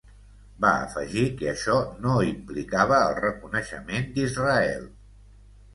Va afegir que això no implicava el reconeixement d'Israel.